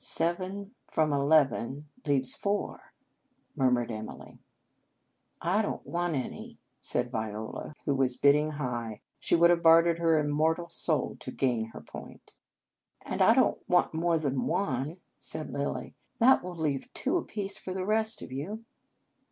" Seven from eleven leaves four," murmured Emily. " I don t want any," said Viola, who was bidding high. She would have bartered her immortal soul to gain her point. " And I don t want more than one," said Lilly. " That will leave two apiece for the rest of you."